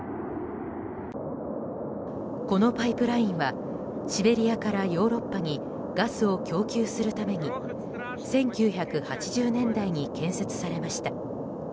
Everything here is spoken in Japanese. このパイプラインはシベリアからヨーロッパにガスを供給するために１９８０年代に建設されました。